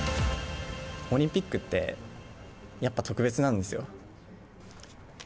オリンピックって、やっぱ特別なんですよ。